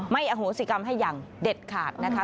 อโหสิกรรมให้อย่างเด็ดขาดนะคะ